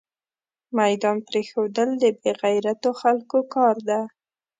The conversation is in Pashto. ميدان پريښودل دبې غيرتو خلکو کار ده